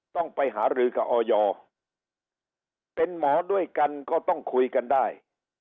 ต้องไปหารือกับออยเป็นหมอด้วยกันก็ต้องคุยกันได้